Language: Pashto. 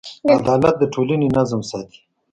عدالت د ټولنې نظم ساتي.